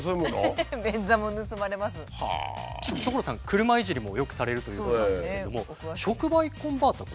車いじりもよくされるということなんですけども。